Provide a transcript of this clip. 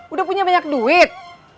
udah punya banyak duit